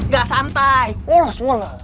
ga santai wolas wolas